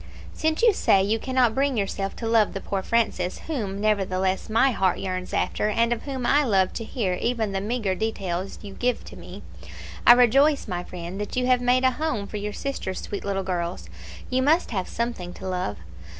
"Since you say that you cannot bring yourself to love the poor Francis, whom, nevertheless, my heart yearns after, and of whom I love to hear even the meagre details you give to me, I rejoice, my friend, that you have made a home for your sister's sweet little girls. You must have something to love.